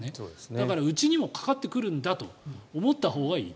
だから、うちにもかかってくるんだと思ったほうがいい。